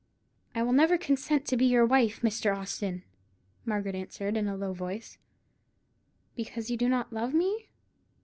"I will never consent to be your wife, Mr. Austin!" Margaret answered, in a low voice. "Because you do not love me?"